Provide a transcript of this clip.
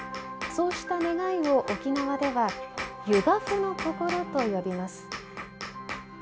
そうした願いを沖縄では「世果報の心」と呼びます。